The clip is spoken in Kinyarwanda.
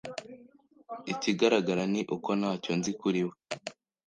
Ikigaragara ni uko ntacyo nzi kuri we.